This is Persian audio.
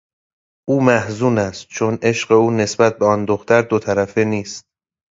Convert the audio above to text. او محزون است چون عشق او نسبت به آن دختر دوطرفه نیست.